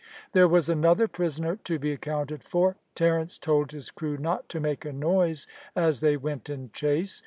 There was another prisoner to be accounted for. Terence told his crew not to make a noise as they went in chase.